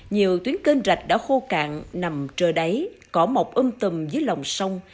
nhiều tuyến kênh rạch đã khô cạn nằm trờ đáy cỏ mọc âm tầm dưới lòng sông